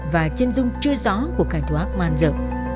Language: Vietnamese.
và trên dung chưa rõ